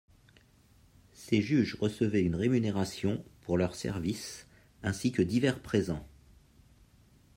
Ces juges recevaient une rémunération pour leurs services ainsi que divers présents.